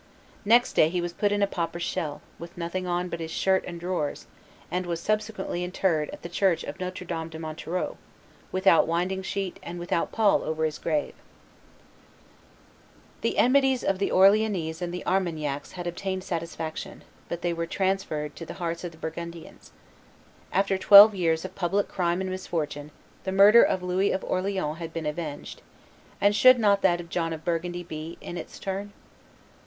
"Next day he was put in a pauper's shell, with nothing on but his shirt and drawers, and was subsequently interred at the church of Notre Dame de Montereau, without winding sheet and without pall over his grave." [Illustration: '"Into the River!"' 77] The enmities of the Orleannese and the Armagnacs had obtained satisfaction; but they were transferred to the hearts of the Burgundians. After twelve years of public crime and misfortune the murder of Louis of Orleans had been avenged; and should not that of John of Burgundy be, in its turn?